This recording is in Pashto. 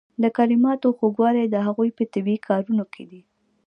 د کلماتو خوږوالی د هغوی په طبیعي کارونه کې دی.